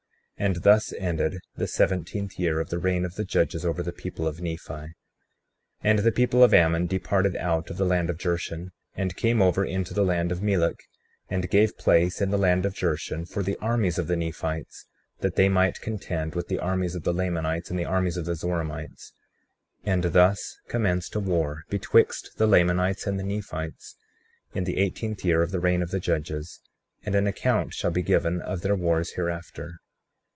35:12 And thus ended the seventeenth year of the reign of the judges over the people of Nephi. 35:13 And the people of Ammon departed out of the land of Jershon, and came over into the land of Melek, and gave place in the land of Jershon for the armies of the Nephites, that they might contend with the armies of the Lamanites and the armies of the Zoramites; and thus commenced a war betwixt the Lamanites and the Nephites, in the eighteenth year of the reign of the judges; and an account shall be given of their wars hereafter.